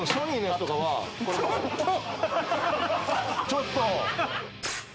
ちょっと！